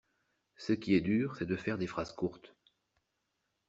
Ce qui est dur, c'est de faire des phrases courtes.